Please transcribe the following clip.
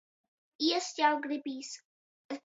Ēst jau gribīs.